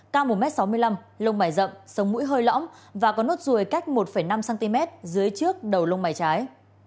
cao một m sáu mươi năm lông bài rậm sông mũi hơi lõng và có nốt ruồi cách một năm cm dưới trước đầu lông bài trái